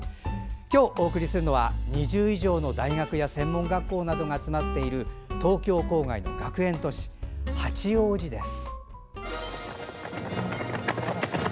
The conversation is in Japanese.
今日お送りするのは２０以上の大学や専門学校などが集まっている東京郊外の学園都市、八王子です。